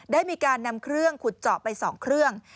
ได้มีการนำเครื่องขุดเจาะไป๒เครื่อง